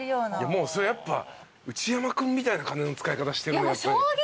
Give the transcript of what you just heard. もうそれやっぱ内山君みたいな金の使い方して。